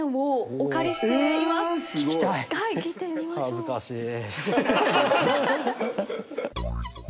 恥ずかしい。